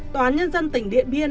toán nhân dân tỉnh điện biên